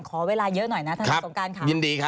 ขอเวลาเยอะหน่อยนะทนายสงการค่ะยินดีค่ะ